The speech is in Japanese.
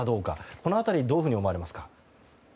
この辺りどういうふうに思われますか？